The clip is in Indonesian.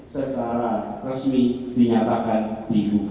secara resmi dinyatakan dibuka